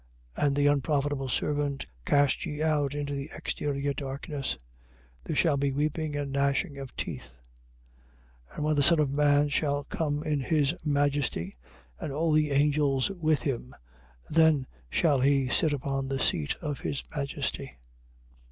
25:30. And the unprofitable servant, cast ye out into the exterior darkness. There shall be weeping and gnashing of teeth. 25:31. And when the Son of man shall come in his majesty, and all the angels with him, then shall he sit upon the seat of his majesty.